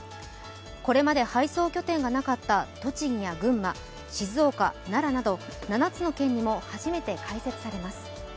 これまで配送拠点がなかった栃木や群馬、静岡、奈良など７つの県にも初めて開設されます。